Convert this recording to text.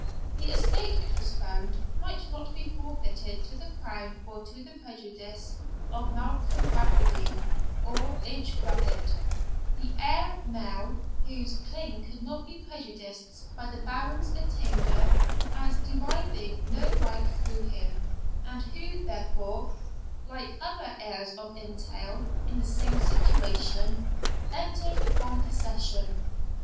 The estate, it was found, might not be forfeited to the crown to the prejudice of Malcolm Bradwardine of Inch Grabbit, the heir male, whose claim could not be prejudiced by the Baron's attainder, as deriving no right through him, and who, therefore, like other heirs of entail in the same situation, entered upon possession.